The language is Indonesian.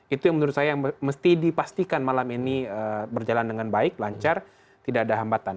itu yang menurut saya yang mesti dipastikan malam ini berjalan dengan baik lancar tidak ada hambatan